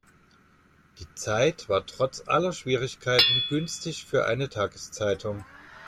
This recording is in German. Die Zeit war trotz aller Schwierigkeiten günstig für eine Tageszeitung.